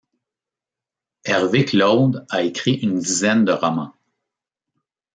Hervé Claude a écrit une dizaine de romans.